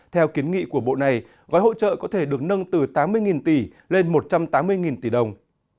theo kiến nghị của bộ này gói hỗ trợ có thể được nâng từ tám mươi tỷ lên một trăm tám mươi tỷ đồng